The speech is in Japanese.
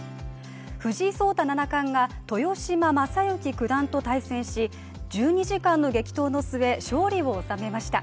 藤井聡太七冠が豊島将之九段と対戦し１２時間の激闘の末、勝利を収めました。